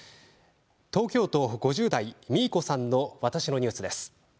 東京都５０代の方の「わたしのニュース」です。